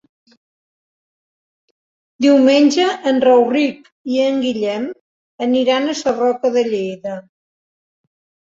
Diumenge en Rauric i en Guillem aniran a Sarroca de Lleida.